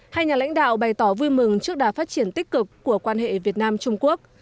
hai nhà lãnh đạo bày tỏ vui mừng trước đà phát triển tích cực của quan hệ việt nam trung quốc